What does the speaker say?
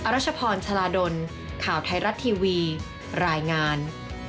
รัชพรชาลาดลข่าวไทยรัฐทีวีรายงาน